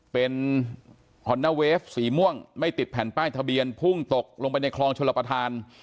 เป็นฮอนด้าเวฟสีม่วงไม่ติดแผ่นป้ายทะเบียนพุ่งตกลงไปในคลองชลประธาน